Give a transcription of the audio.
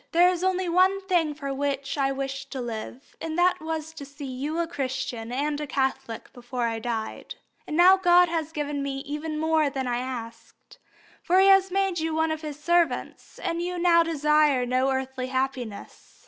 There was only one thing for which I wished to live, and that was to see you a Christian and a Catholic before I died. And God has given me even more than I asked, for He has made you one of His servants, and you now desire no earthly happiness.